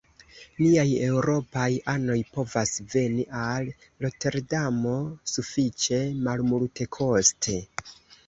Niaj eŭropaj anoj povas veni al Roterdamo sufiĉe malmultekoste.